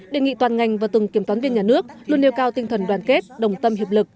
đề nghị toàn ngành và từng kiểm toán viên nhà nước luôn nêu cao tinh thần đoàn kết đồng tâm hiệp lực